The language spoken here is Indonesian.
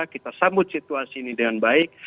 kita sambut situasi ini dengan baik